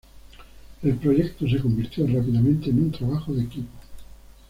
El proyecto se convirtió rápidamente en un trabajo de equipo.